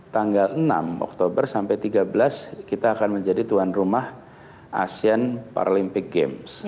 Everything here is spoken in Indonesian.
tanggal enam oktober sampai tiga belas kita akan menjadi tuan rumah asean paralympic games